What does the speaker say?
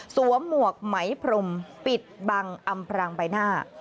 หมวกไหมพรมปิดบังอำพรางใบหน้า